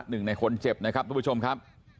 หนึ่งในคนเจ็บนะครับทุกผู้ชมครับ